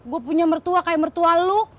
gue punya mertua kayak mertua lo